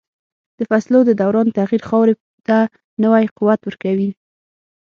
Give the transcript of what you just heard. د فصلو د دوران تغییر خاورې ته نوی قوت ورکوي.